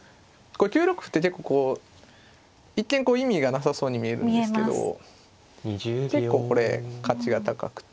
９六歩って結構こう一見意味がなさそうに見えるんですけど結構これ価値が高くて。